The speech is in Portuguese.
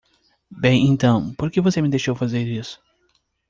"Bem, então? por que você me deixou fazer isso?"